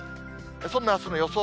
そんなあすの予想